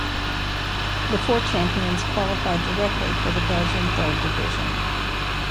The four champions qualified directly for the Belgian Third Division.